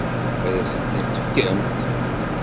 Ad asent-tent-tefkemt?